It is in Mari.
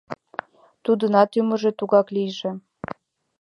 Тудынат ӱмыржӧ тугак лийже.